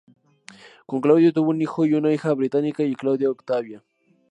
Con Claudio tuvo un hijo y una hija: Británico y Claudia Octavia.